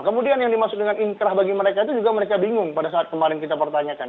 kemudian yang dimaksud dengan inkrah bagi mereka itu juga mereka bingung pada saat kemarin kita pertanyakan